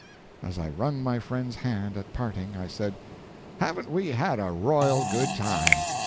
As I wrung my friend's hand at parting, I said: "Haven't we had a royal good time!